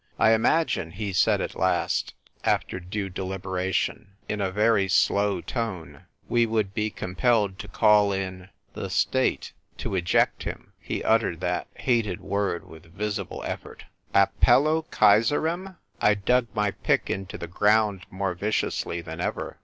" I imagine," he said at last, after due deliberation, in a very slow tone, "we would be compelled to call in .... the State to eject him." He uttered that hated word with visible effort. Appello Caesarem ! 1 dug my pick into the ground more viciously than ever.